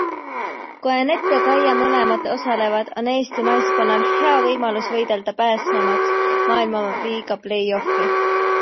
Kui Anett ja Kaia mõlemad osalevad, on Eesti naiskonnal hea võimalus võidelda pääsemaks Maailmaliiga play off'i.